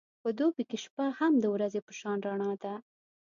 په دوبی کې شپه هم د ورځې په شان رڼا ده.